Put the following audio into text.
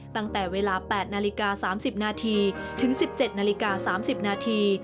ตั้งแต่เวลา๘นาฬิกา๓๐นาทีถึง๑๗นาฬิกา๓๐นาที